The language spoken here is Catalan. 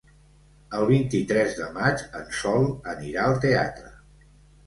El vint-i-tres de maig en Sol anirà al teatre.